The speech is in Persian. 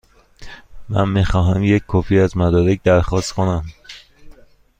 من می خواهم یک کپی از مدرک درخواست کنم.